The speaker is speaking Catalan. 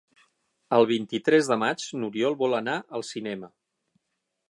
El vint-i-tres de maig n'Oriol vol anar al cinema.